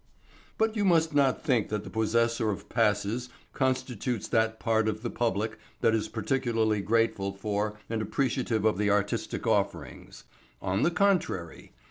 But you must not think that the possessor of passes constitutes that part of the public that is particularly grateful for and appreciative of the artistic offerings. On the contrary!